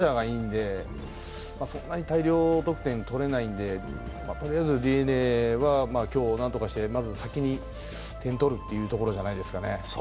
ピッチャーがいいので、そんなに大量得点取れないんでとりあえずＤｅＮＡは今日何とかしてまず先に点取るっていうところじゃないですかね。